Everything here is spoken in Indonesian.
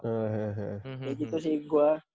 kayak gitu sih gue